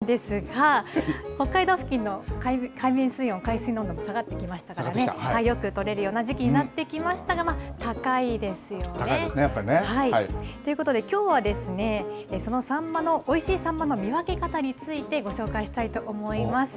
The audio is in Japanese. サンマは海水の温度が２０度以下になる所が好きなんですが、北海道付近の海面水温、海水の温度下がってきましたからね、よく取れるような時期になってきましたが、高いですよね。ということで、きょうはそのサンマの、おいしいサンマの見分け方についてご紹介したいと思います。